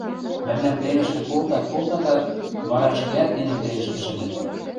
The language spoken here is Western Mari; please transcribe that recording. – Мӓмнӓм пленӹшкӹ колтат-колтатат, вара ӹшкеӓт нинӹ пленӹшкӹ шӹлӹт...